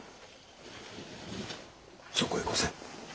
そこへ越せ。